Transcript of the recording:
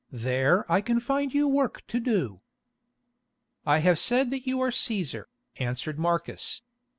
There I can find you work to do." "I have said that you are Cæsar," answered Marcus.